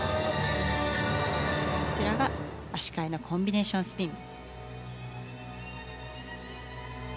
こちらが足換えのコンビネーションスピン。